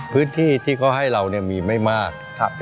พื้นที่ที่เขาให้เรามีไม่มาก